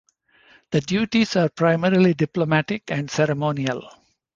The duties are primarily diplomatic and ceremonial.